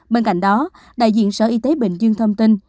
bên cạnh đó đại diện sở y tế bình dương thông tin